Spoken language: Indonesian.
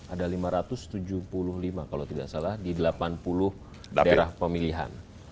ada lima ratus tujuh puluh lima kalau tidak salah di delapan puluh daerah pemilihan